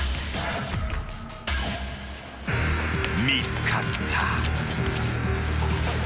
［見つかった］